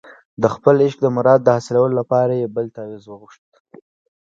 د خپل عشق د مراد د حاصلولو لپاره یې بل تاویز وغوښت.